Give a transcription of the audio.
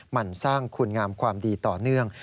มันสร้างคุณงามความดีต่อเนื่อง